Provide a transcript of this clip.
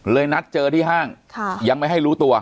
นัดเจอที่ห้างยังไม่ให้รู้ตัว